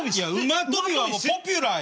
馬跳びはもうポピュラーよ。